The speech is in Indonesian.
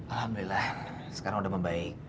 alhamdulillah sekarang sudah membaik